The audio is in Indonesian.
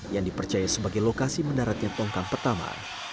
yang dipercaya sebagai lokasi mendaratnya tongkang pertama